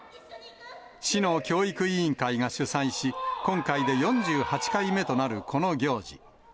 市の教育委員会が主催し、今回で４８回目となるこの行事。